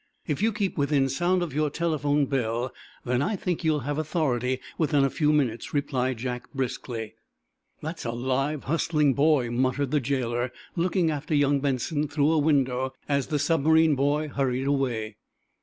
"If you keep within sound of your telephone bell, then, I think you'll have authority within a few minutes," replied Jack, briskly. "That's a live, hustling boy," muttered the jailer, looking after young Benson through a window, as the submarine boy hurried away.